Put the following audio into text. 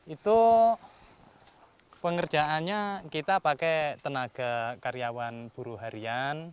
itu pengerjaannya kita pakai tenaga karyawan buruh harian